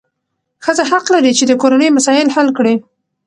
ښځه حق لري چې د کورنۍ مسایل حل کړي.